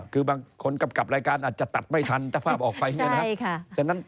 คือบางคนกำกับรายการอาจจะตัดไม่ทันถ้าภาพออกไปเนี่ยนะครับ